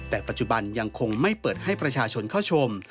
แต่ปัจจุบันยังคงไม่เปิดให้ประชาชนเข้าชม